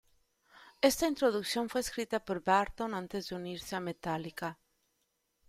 Esta introducción fue escrita por Burton antes de unirse a Metallica.